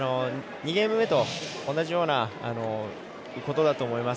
２ゲーム目と同じようなことだと思います。